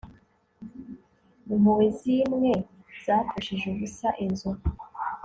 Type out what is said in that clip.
Impuhwe zimwe zapfushije ubusa inzu